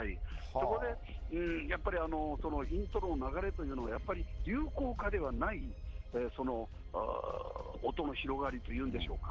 そこで、やっぱりイントロの流れというのは、やっぱり流行歌ではないその音の広がりというんでしょうか。